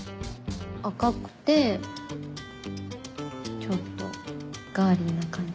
赤くてちょっとガーリーな感じ。